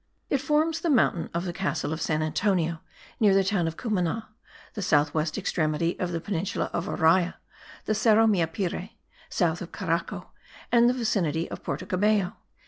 It forms the mountain of the castle of San Antonio near the town of Cumana, the south west extremity of the peninsula of Araya, the Cerro Meapire, south of Caraco and the vicinity of Porto Cabello.